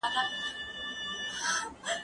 زه له سهاره سينه سپين کوم!؟